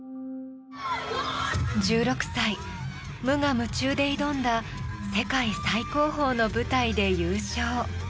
１６歳、無我夢中で挑んだ世界最高峰の舞台で優勝。